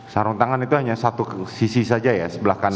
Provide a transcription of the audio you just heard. sarung tangan itu hanya satu sisi saja ya sebelah kanan